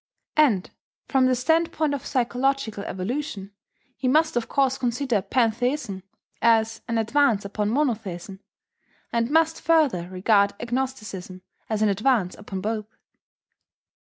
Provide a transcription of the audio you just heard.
And, from the standpoint of psychological evolution, he must of course consider pantheism as an advance upon monotheism, and must further regard agnosticism as an advance upon both.